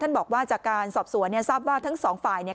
บอกว่าจากการสอบสวนเนี่ยทราบว่าทั้งสองฝ่ายเนี่ย